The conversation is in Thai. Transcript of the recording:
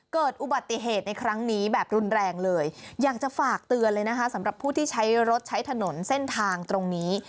เกิดอุบัติเหตุในครั้งนี้แบบรุนแรงเลยอยากจะฝากเตือนเลยนะคะสำหรับผู้ที่ใช้รถใช้ถนนเส้นทางตรงนี้